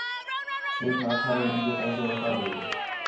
سیٹھ آکھا ہِے مینجے پیسے وتا ݙے